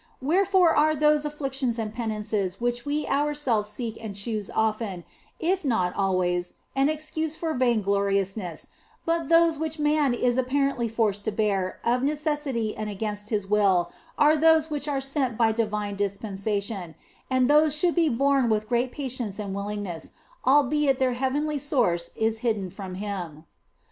Wherefore are those afflictions and penances which we ourselves seek and choose often, if not always, an excuse for vainglorious ness, but those which man is apparently forced to bear of necessity and against his will are those which are sent by divine dispensation, and those should be borne with great patience and willingness, albeit their heavenly source is hidden from him.